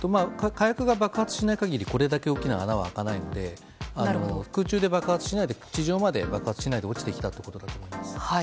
火薬が爆発しない限りこれだけ大きな穴は開かないので空中で爆発しないで地上まで爆発しないで落ちてきたということです。